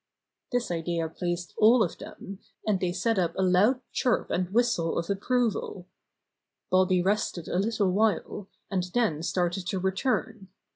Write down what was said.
This idea pleased all of them, and they set up a loud chirp and whistle of approval. Bobby rested a little while, and then started to return.